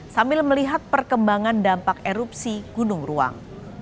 sambil melihat perkembangan dampak erupsi gunung ruang